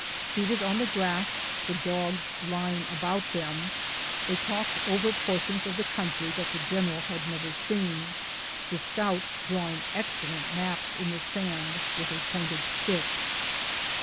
Seated on the grass, the dogs lying about them, they talked over portions of the country that the general had never seen, the scout drawing excellent maps in the sand with a pointed stick.